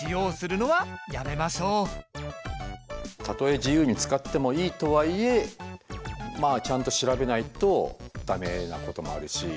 その上でたとえ自由に使ってもいいとはいえまあちゃんと調べないと駄目なこともあるし。